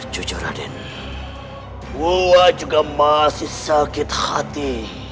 jujur raden gua juga masih sakit hati